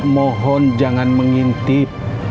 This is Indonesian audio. mohon jangan mengintip